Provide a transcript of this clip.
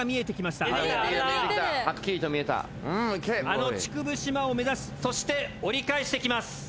あの竹生島を目指しそして折り返してきます。